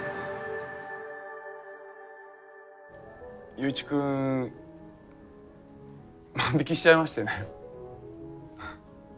雄一君万引きしちゃいましてね。